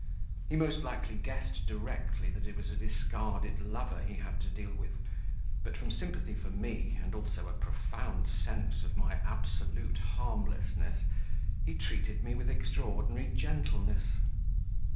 He most likely guessed directly that it was a discarded lover he had to deal with, but from sympathy for me, and also a profound sense of my absolute harmlessness, he treated me with extraordinary gentleness.